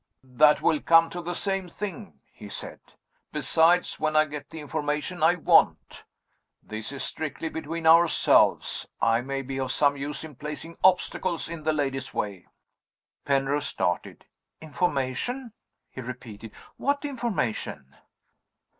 "That will come to the same thing," he said. "Besides, when I get the information I want this is strictly between ourselves I may be of some use in placing obstacles in the lady's way." Penrose started. "Information!" he repeated. "What information?"